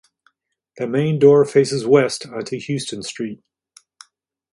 The main door faces west onto Houston Street.